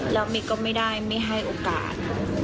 แล้วมิ๊กก็ไม่ได้ไม่ให้โอกาส